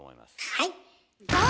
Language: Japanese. はい！